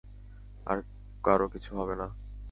কারো কিছু হবে না।